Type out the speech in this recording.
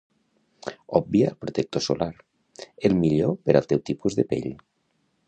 Obvia el protector solar, el millor per al teu tipus de pell.